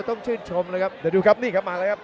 ต้องชื่นชมเลยครับเดี๋ยวดูครับนี่ครับมาแล้วครับ